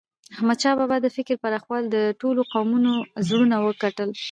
احمدشاه بابا د فکر پراخوالي د ټولو قومونو زړونه وګټل.